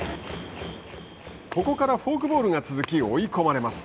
ここからフォークボールが続き追い込まれます。